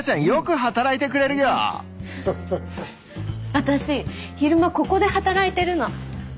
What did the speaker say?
私昼間ここで働いてるの。